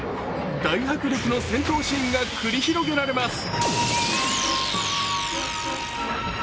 大迫力の戦闘シーンが繰り広げられます。